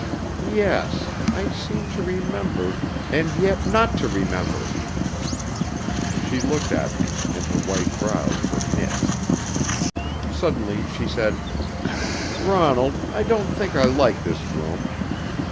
"Yes I seem to remember, and yet not to remember." She looked at me, and her white brows were knit. Suddenly she said: "Ronald, I don't think I like this room.